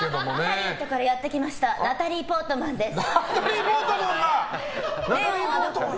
ハリウッドからやってきましたナタリー・ポートマンです。